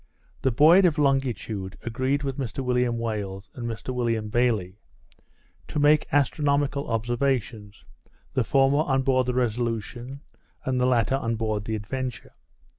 The Board of Longitude agreed with Mr William Wales and Mr William Bayley, to make astronomical observations; the former on board the Resolution, and the latter on board the Adventure.